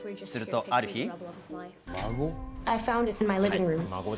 するとある日。